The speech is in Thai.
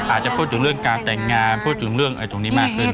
อาจจะพูดถึงเรื่องการแต่งงานพูดถึงเรื่องอะไรตรงนี้มากขึ้น